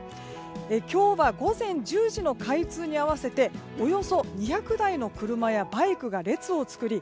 今日は午前１０時の開通に合わせておよそ２００台の車やバイクが列を作り